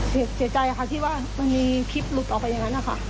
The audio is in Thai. เสียใจค่ะที่ว่ามันมีคลิปหลุดออกไปอย่างนั้นนะคะ